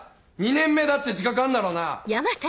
２年目だって自覚あんだろうな。